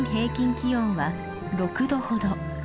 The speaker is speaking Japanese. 気温は６℃ほど。